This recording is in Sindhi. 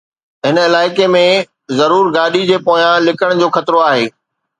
هن علائقي ۾ ضرور گاڏي جي پويان لڪڻ جو خطرو آهي